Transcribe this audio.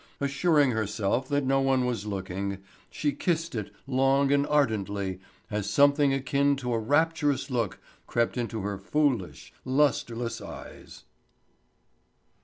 Assuring herself that no one was looking she kissed it long and ardently as something akin to a rapturous look crept into her foolish, lusterless eyes.